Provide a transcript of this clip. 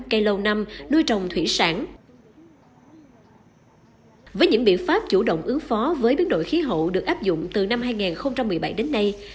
cây lâu năm với những biện pháp chủ động ứng phó với biến đổi khí hậu được áp dụng từ năm hai nghìn một mươi chín đến nay